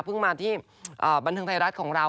พึ่งมาที่บันทึงไทยรัฐของเรา